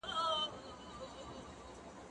زه کولای سم کالي وپرېولم!!